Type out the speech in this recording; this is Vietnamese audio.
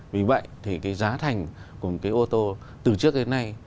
vì vậy thì cái giá thành của cái ô tô từ trước đến nay